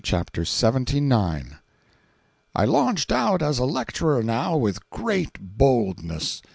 CHAPTER LXXIX. I launched out as a lecturer, now, with great boldness.